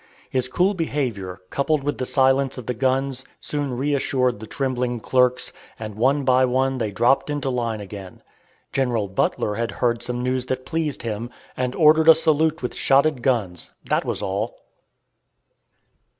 His cool behavior, coupled with the silence of the guns, soon reassured the trembling clerks, and one by one they dropped into line again. General Butler had heard some news that pleased him, and ordered a salute with shotted guns. That was all.